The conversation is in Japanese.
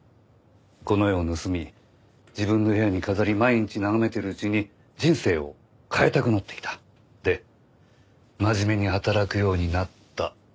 「この絵を盗み自分の部屋に飾り毎日眺めてるうちに人生を変えたくなってきた。で真面目に働くようになった」